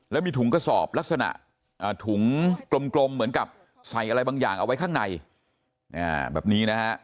แล้วมีถุงกระสอบลักษณะถุงกลมเหมือนกับใส่อะไรบางอย่างเอาไว้ข้างในแบบนี้นะฮะ